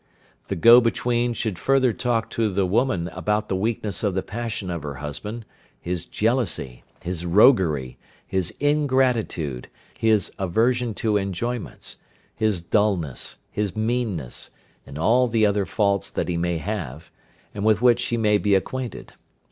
The go between should further talk to the woman about the weakness of the passion of her husband, his jealousy, his roguery, his ingratitude, his aversion to enjoyments, his dullness, his meanness, and all the other faults that he may have, and with which she may be acquainted.